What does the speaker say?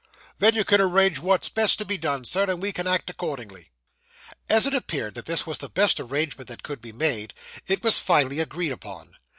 'Then you can arrange what's best to be done, sir, and we can act accordingly.' As it appeared that this was the best arrangement that could be made, it was finally agreed upon.